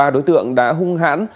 ba đối tượng đã hung hãn